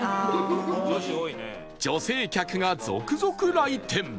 女性客が続々来店